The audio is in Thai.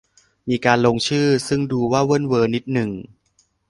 มีการลงชื่อ ซึ่งดูว่าเวิ่นเว้อนิดหนึ่ง